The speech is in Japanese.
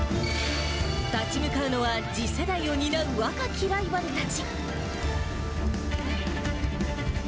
立ち向かうのは、次世代を担う若きライバルたち。